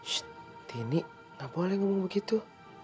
shh tini gak boleh ngomong begitu